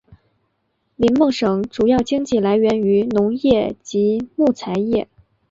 林梦省主要经济来源于农业及木材业。